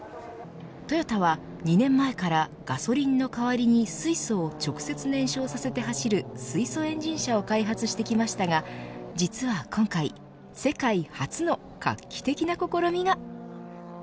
トヨタは２年前からガソリンの代わりに水素を直接燃焼させて走る水素エンジン車を開発してきましたが実は今回、世界初の画期的な試みが。